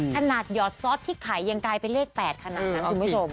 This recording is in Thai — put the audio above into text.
ขนาดหยอดซอสที่ขายยังกลายไปเลข๘ขนาดนั้นคุณผู้ชม